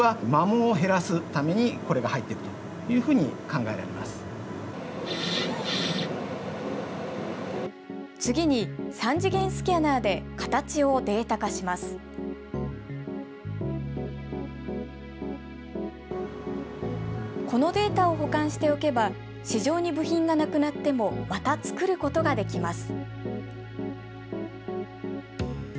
このデータを保管しておけば市場に部品がなくなってもまた作ることができます。